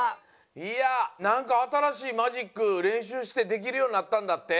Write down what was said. いやなんかあたらしいマジックれんしゅうしてできるようになったんだって？